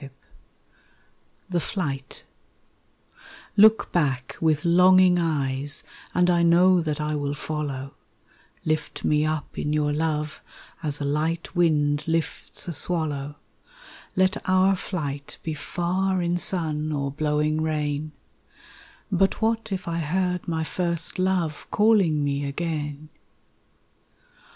III The Flight Look back with longing eyes and know that I will follow, Lift me up in your love as a light wind lifts a swallow, Let our flight be far in sun or blowing rain _But what if I heard my first love calling me again?